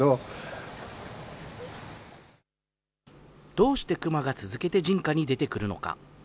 どうしてクマが続けて人家に出てくるのか。